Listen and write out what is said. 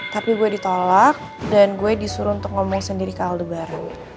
tapi gue ditolak dan gue disuruh untuk ngomong sendiri ke aldebaran